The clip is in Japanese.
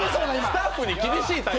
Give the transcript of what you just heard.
スタッフに厳しいタイプ？